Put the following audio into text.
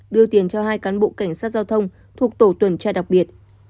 đưa tiền cho hai cán bộ cảnh sát giao thông thuộc tổ tuần tra đặc biệt